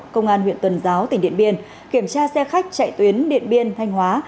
công an huyện tuần giáo tỉnh điện biên kiểm tra xe khách chạy tuyến điện biên thanh hóa